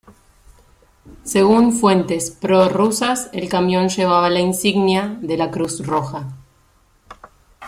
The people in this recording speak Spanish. Según fuentes prorrusas, el camión llevaba la insignia de la Cruz Roja.